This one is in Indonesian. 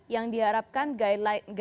yang diharapkan guidelines nya